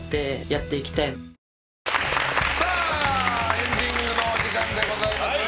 エンディングのお時間でございます。